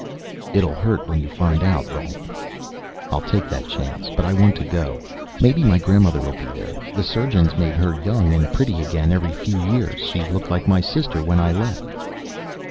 "It'll hurt when you find out, Rolf." "I'll take that chance. But I want to go. Maybe my grandmother'll be there. The surgeons made her young and pretty again every few years; she looked like my sister when I left."